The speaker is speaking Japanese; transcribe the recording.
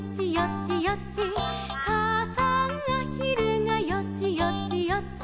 「かあさんあひるがよちよちよち」